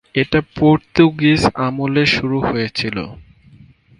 এটা পর্তুগিজ আমলে শুরু হয়েছিলো।